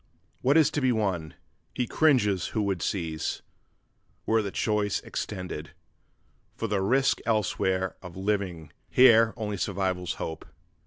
What is to be won? He cringes who would seize, were the choice extended, For the risk elsewhere of living, here only survival's hope!